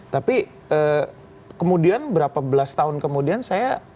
tapi kemudian berapa belas tahun kemudian saya